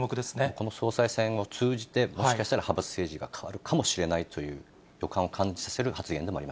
この総裁選を通じて、もしかしたら派閥政治が変わるかもしれないという予感を感じさせ